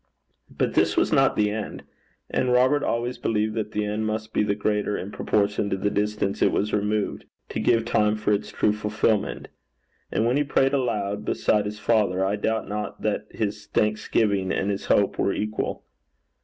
But this was not the end; and Robert always believed that the end must be the greater in proportion to the distance it was removed, to give time for its true fulfilment. And when he prayed aloud beside his father, I doubt not that his thanksgiving and his hope were equal.